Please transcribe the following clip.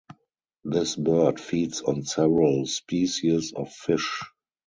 This bird feeds on several species of fish.